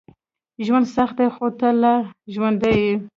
ژوند سخت ده، خو ته لا ژوندی یې.